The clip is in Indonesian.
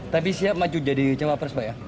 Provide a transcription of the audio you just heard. tapi siap maju jadi cawapres pak ya